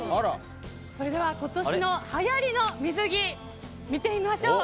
それでは今年のはやりの水着を見てみましょう。